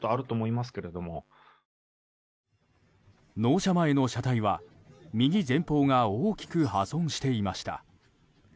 納車前の車体は、右前方が大きく破損していました。